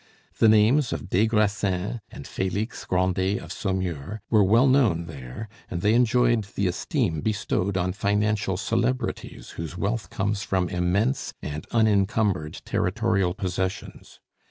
The names of des Grassins and Felix Grandet of Saumur were well known there, and they enjoyed the esteem bestowed on financial celebrities whose wealth comes from immense and unencumbered territorial possessions.